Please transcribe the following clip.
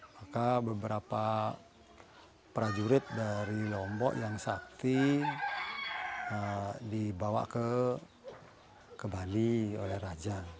maka beberapa prajurit dari lombok yang sakti dibawa ke bali oleh raja